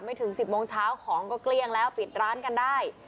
ถึง๑๐โมงเช้าของก็เกลี้ยงแล้วปิดร้านกันได้